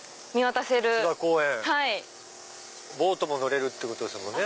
ボートも乗れるってことですよね。